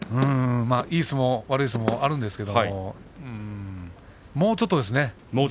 いい相撲、悪い相撲あるんですがもうちょっとですね